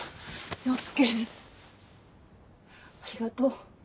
陽介ありがとう。